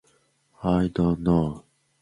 "Pit" has no turns, and everyone plays at once.